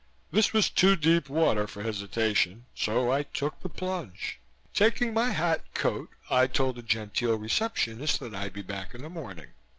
This was too deep water for hesitation, so I took the plunge. Taking my hat and coat I told the genteel receptionist that I'd be back in the morning.